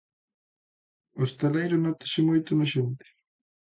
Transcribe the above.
Hostaleiro Nótase moito na xente.